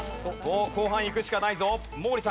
もう後半いくしかないぞ。